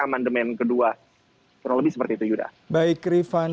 rumah rumah anggota alposition tiga laret yang diberi perang utilisator